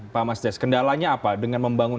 pak mas jas kendalanya apa dengan membangun